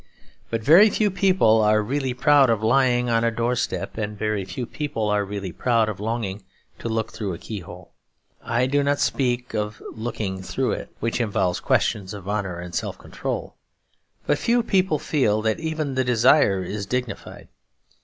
But very few people are really proud of lying on a door step, and very few people are really proud of longing to look through a key hole. I do not speak of looking through it, which involves questions of honour and self control; but few people feel that even the desire is dignified.